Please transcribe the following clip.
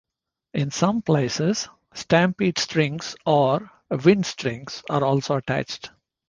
In some places, "stampede strings" or "wind strings" are also attached.